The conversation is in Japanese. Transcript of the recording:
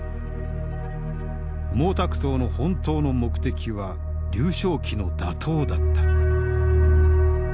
毛沢東の本当の目的は劉少奇の打倒だった。